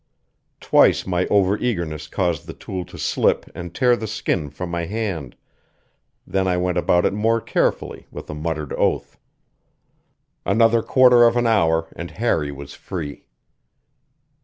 Twice my overeagerness caused the tool to slip and tear the skin from my hand; then I went about it more carefully with a muttered oath. Another quarter of an hour and Harry was free.